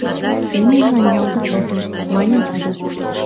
«Тый мемнан ял гыч отыл, — мане тудо.